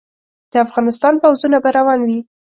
د افغانستان پوځونه به روان وي.